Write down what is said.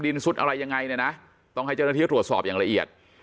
สุดอะไรยังไงเนี่ยนะต้องให้เจ้าหน้าที่ตรวจสอบอย่างละเอียด